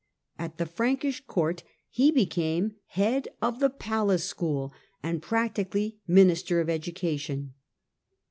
At the Frankish Court he became head of the Palace School and practically Minister of Education.